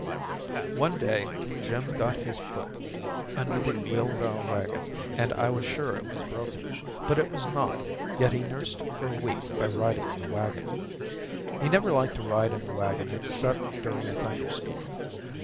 One day Jim got his foot under the wheel of our wagon, and I was sure it was broken, but it was not; yet he nursed it for a week by riding in the wagon. He never liked to ride in the wagon except during a thunderstorm.